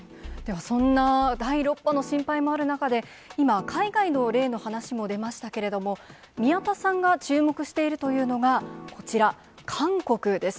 そんな第６波の心配もある中で、今、海外の例の話も出ましたけれども、宮田さんが注目しているというのが、こちら、韓国です。